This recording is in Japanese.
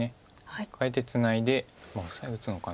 カカえてツナいでオサエ打つのかな。